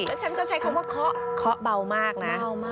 แล้วฉันก็ใช้คำว่าเคาะเคาะเบามากนะ